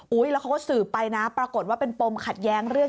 แล้วเขาก็สืบไปนะปรากฏว่าเป็นปมขัดแย้งเรื่อง